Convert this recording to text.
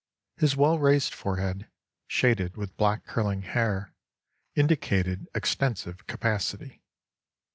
His well raised forehead, shaded with black curling hair, indicated extensive capacity.